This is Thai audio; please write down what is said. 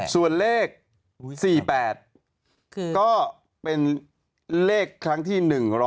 ส่วนเลข๔๘ก็เป็นเลขครั้งที่๑๐